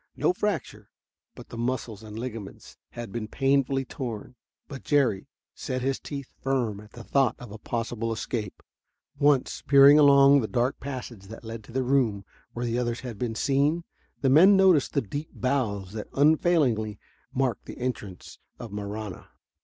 No fracture, but the muscles and ligaments had been painfully torn. But Jerry set his teeth firm at the thought of a possible escape. Once, peering along the dark passage that led to the room where the others had been seen, the men noticed the deep bows that unfailingly marked the entrance of Marahna.